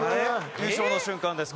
優勝の瞬間です